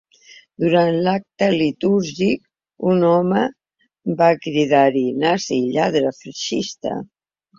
Durant l’acte litúrgic un home va cridar-li: Nazi, lladre, feixista!